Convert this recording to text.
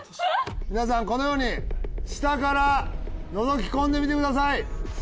皆さんこのように下からのぞき込んでみてください。